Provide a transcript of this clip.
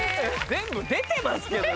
全部出てますけどね。